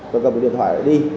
tôi gặp cái điện thoại đi